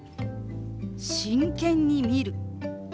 「真剣に見る」。